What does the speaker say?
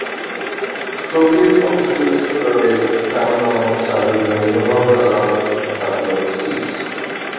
Soviet officials took away Taimanov's salary and no longer allowed him to travel overseas.